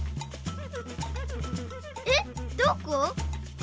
えっどこ？